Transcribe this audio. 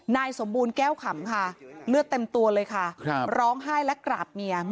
นายสมบูรณ์แก้วขำค่ะเลือดเต็มตัวเลยค่ะร้องไห้และกราบเมีย